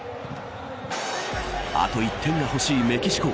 あと１点がほしいメキシコ。